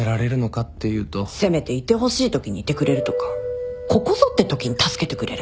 せめていてほしいときにいてくれるとかここぞってときに助けてくれれば。